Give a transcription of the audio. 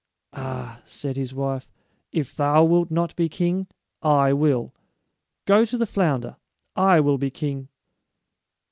"Ah," said his wife, "if thou wilt not be king, I will. Go to the flounder. I will be king."